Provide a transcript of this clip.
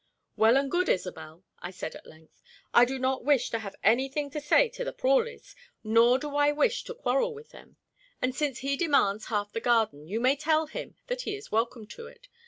"Well and good, Isobel," I said at length. "I do not wish to have anything to say to the Prawleys, nor do I wish to quarrel with them, and since he demands half the garden you may tell him he is welcome to it.